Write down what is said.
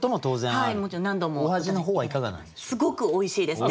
はい。